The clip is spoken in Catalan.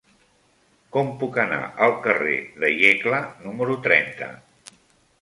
Com puc anar al carrer de Iecla número trenta?